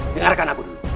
dengarkan aku dulu